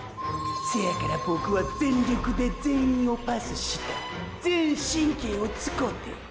せやからボクは全力で全員をパスした全神経を使て！！